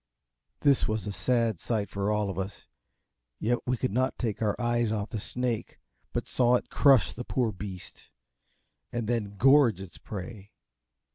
This was a sad sight for all of us, yet we could not take our eyes off the snake, but saw it crush the poor beast, and then gorge its prey.